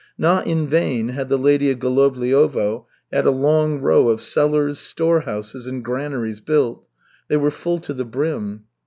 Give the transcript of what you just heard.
Not in vain had the lady of Golovliovo had a long row of cellars, storehouses and granaries built. They were full to the brim.